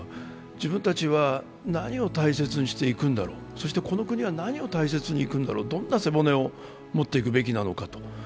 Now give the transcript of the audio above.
自分たちは何を大切にしていくんだろう、そしてこの国は何を大切にいくんだろう、どんな背骨を持っていくべきだろうかと。